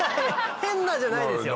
変なじゃないですよ。